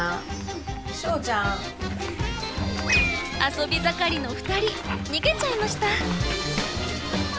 遊び盛りの２人逃げちゃいました。